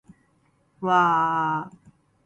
わあーーーーーーーーーー